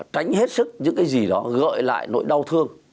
tránh hết sức những cái gì đó gợi lại nỗi đau thương